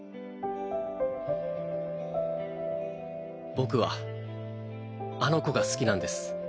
僕はあの子が好きなんです。